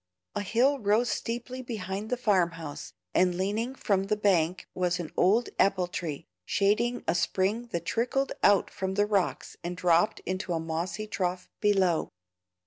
A hill rose steeply behind the farm house, and leaning from the bank was an old apple tree, shading a spring that trickled out from the rocks and dropped into a mossy trough below.